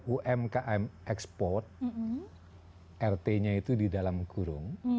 umkm ekspor rt nya itu di dalam kurung